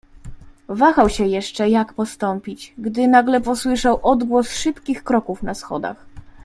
"Wahał się jeszcze jak postąpić, gdy nagle posłyszał odgłos szybkich kroków na schodach."